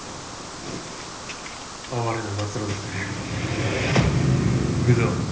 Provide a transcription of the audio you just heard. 哀れな末路ですね。行くぞ。